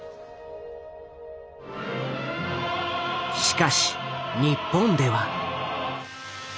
しかし日本では。